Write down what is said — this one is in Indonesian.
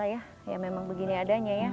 ya ya memang begini adanya ya